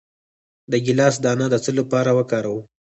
د ګیلاس دانه د څه لپاره وکاروم؟